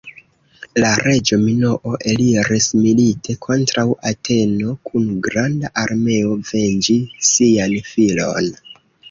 La reĝo Minoo eliris milite kontraŭ Ateno kun granda armeo venĝi sian filon.